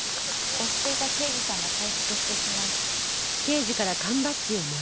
推していた刑事さんが退職してしまい。